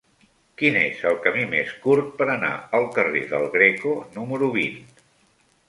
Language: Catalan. Quin és el camí més curt per anar al carrer del Greco número vint?